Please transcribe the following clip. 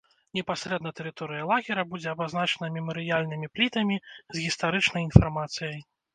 Непасрэдна тэрыторыя лагера будзе абазначана мемарыяльнымі плітамі з гістарычнай інфармацыяй.